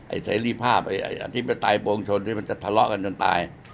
เสรีภาพไอ้อธิปไตยปวงชนที่มันจะทะเลาะกันจนตาย